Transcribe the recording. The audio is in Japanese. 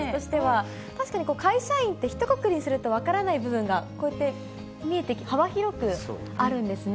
確かに会社員ってひとくくりにすれば分からない部分がこうやって見えて、幅広くあるんですね。